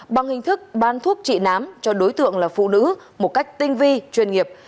bằng hình thức bán thuốc trị nám cho đối tượng là phụ nữ một cách tinh vi chuyên nghiệp